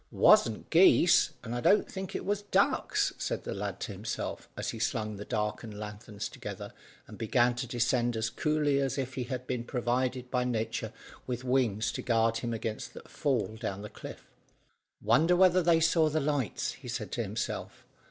"Wasn't geese; and I don't think it was ducks," said the lad to himself, as he slung his darkened lanthorns together, and began to descend as coolly as if he had been provided by nature with wings to guard him against a fall down the cliff. "Wonder whether they saw the lights," he said to himself.